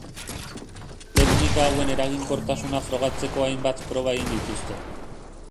Teknika hauen eraginkortasuna frogatzeko hainbat proba egin dituzte.